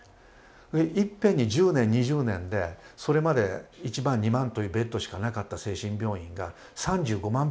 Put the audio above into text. いっぺんに１０年２０年でそれまで１万２万というベッドしかなかった精神病院が３５万